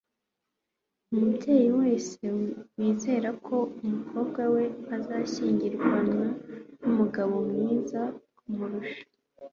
umubyeyi wese yizera ko umukobwa we azashyingiranwa n'umugabo mwiza kumurusha